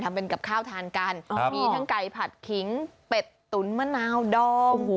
ทำเป็นกับข้าวทานกันมีทั้งไก่ผัดขิงเป็ดตุ๋นมะนาวดอง